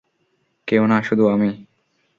কেউ না, শুধু আমি!